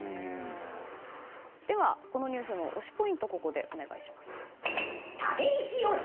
では、このニュースの推しポイントをお願いします。